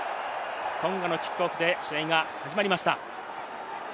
トンガのキックオフで試合が始まりました。